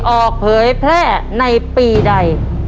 เผยแพร่ในปีใด